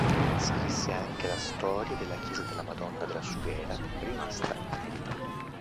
Scrisse anche la storia della Chiesa della Madonna della Sughera, rimasta inedita.